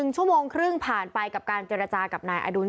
ชั่วโมงครึ่งผ่านไปกับการเจรจากับนายอดุล